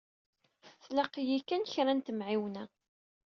Tlaq-iyi kan kra n temɛiwna.